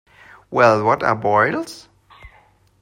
Well, what are boils?